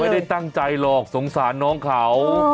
ไม่ได้ตั้งใจหรอกสงสารน้องเขา